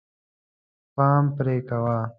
پام پرې کوه.